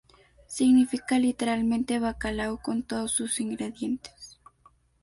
Significa literalmente "bacalao con todos sus ingredientes".